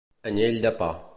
Anyell de pa.